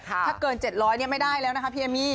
ถ้าเกิน๗๐๐ไม่ได้แล้วนะคะพี่เอมมี่